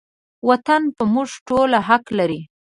وطن په موږ ټولو حق لري